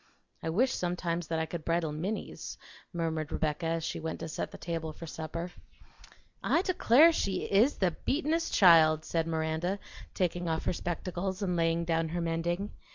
"I wish sometimes that I could bridle Minnie's," murmured Rebecca, as she went to set the table for supper. "I declare she IS the beatin'est child!" said Miranda, taking off her spectacles and laying down her mending.